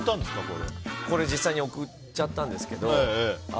これ実際に送っちゃったんですけど。